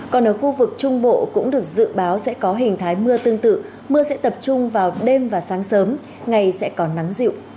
còn ở khu vực trung bộ cũng được dự báo sẽ có hình thái mưa tương tự mưa sẽ tập trung vào đêm và sáng sớm ngày sẽ còn nắng dịu